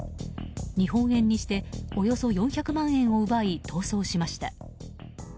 日本円にしておよそ４００万円を奪い逃走しました。